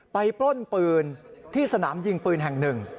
ปล้นปืนที่สนามยิงปืนแห่งหนึ่ง